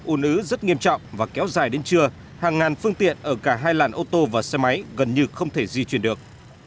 u ứ rất nghiêm trọng và kéo dài đến trưa hàng ngàn phương tiện ở cả hai làn ô tô và xe máy gần như không thể di chuyển được